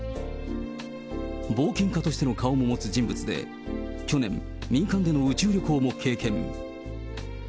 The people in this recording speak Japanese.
冒険家としての顔も持つ人物で、去年、民間での宇宙旅行も経験。